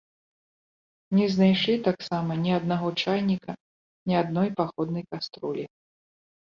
Не знайшлі таксама ні аднаго чайніка, ні адной паходнай каструлі.